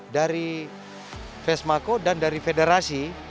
dari vesmako dan dari federasi